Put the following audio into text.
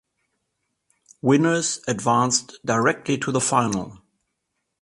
Winners advanced directly to the final.